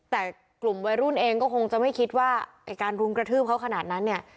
แต่กลุ่มวัยรุ่นเองก็คงจะไม่คิดว่าไอ้การรุมกระทืบเขาขนาดนั้นเนี่ย